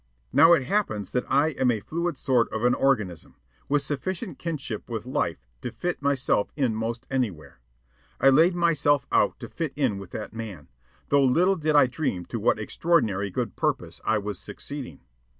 Now it happens that I am a fluid sort of an organism, with sufficient kinship with life to fit myself in 'most anywhere. I laid myself out to fit in with that man, though little did I dream to what extraordinary good purpose I was succeeding.